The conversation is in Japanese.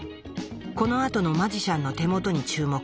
このあとのマジシャンの手元に注目。